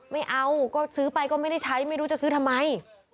ไม่เอาก็ซื้อไปก็ไม่ได้ใช้ไม่รู้จะซื้อทำไม